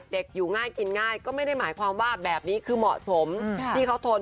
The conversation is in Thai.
อยู่ง่ายกินง่ายก็ไม่ได้หมายความว่าแบบนี้คือเหมาะสมที่เขาทน